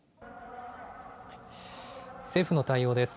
政府の対応です。